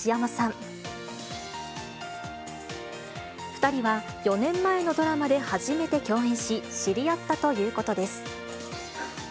２人は４年前のドラマで初めて共演し、知り合ったということです。